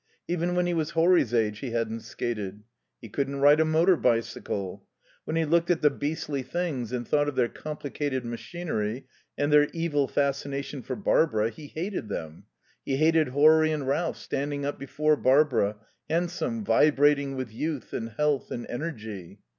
Even when he was Horry's age he hadn't skated. He couldn't ride a motor bicycle. When he looked at the beastly things and thought of their complicated machinery and their evil fascination for Barbara, he hated them. He hated Horry and Ralph standing up before Barbara, handsome, vibrating with youth and health and energy.